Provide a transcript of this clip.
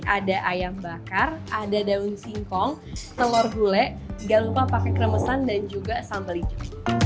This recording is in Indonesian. ada ayam bakar ada daun singkong telur gulai jangan lupa pakai kremesan dan juga sambal hijau